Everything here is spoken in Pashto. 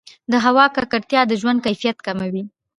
د هوا ککړتیا د ژوند کیفیت کموي.